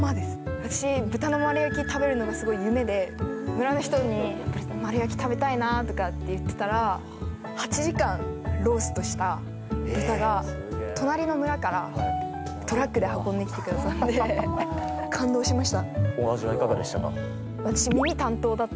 私、豚の丸焼き食べるのが夢で村の人に丸焼き食べたいなって言ってたら８時間ローストした豚が隣の村からトラックで運んできてくださって感動しました。